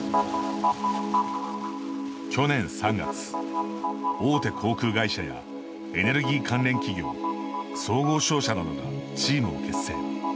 去年３月、大手航空会社やエネルギー関連企業総合商社などがチームを結成。